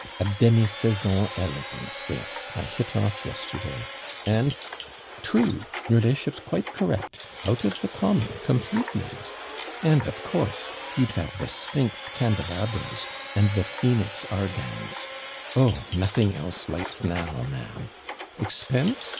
A demisaison elegance this I hit off yesterday and true, your la'ship's quite correct out of the common, completely. And, of course, you'd have the SPHYNX CANDELABRAS, and the Phoenix argands. Oh! nothing else lights now, ma'am! Expense!